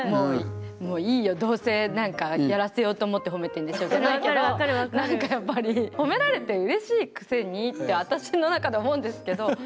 「もういいよどうせ何かやらせようと思ってほめてんでしょ」じゃないけどなんかやっぱりほめられてうれしいくせにって私の中で思うんですけど。